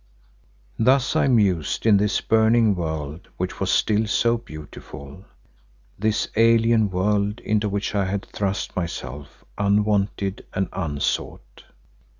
Thus I mused in this burning world which was still so beautiful, this alien world into which I had thrust myself unwanted and unsought.